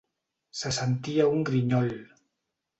Se sentia un grinyol.